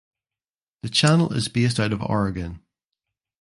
The channel is based out of Oregon.